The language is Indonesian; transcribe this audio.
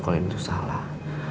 kalau itu salah